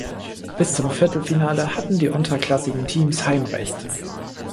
Bis zum Viertelfinale hatten die unterklassigen Teams Heimrecht.